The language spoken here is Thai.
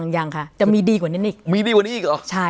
อย่างจมีดีกว่านี้อีกมีดีกว่านี้อีกเหรอ